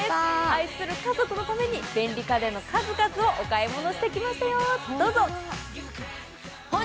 愛する家族のために便利家電の数々をお買い物してきましたよ。